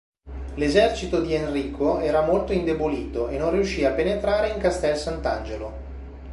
L'esercito di Enrico era molto indebolito, e non riuscì a penetrare in Castel Sant'Angelo.